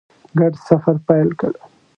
ګډ سفر پیل کړ.